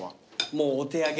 もうお手上げ。